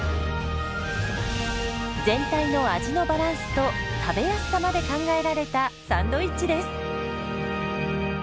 全体の味のバランスと食べやすさまで考えられたサンドイッチです。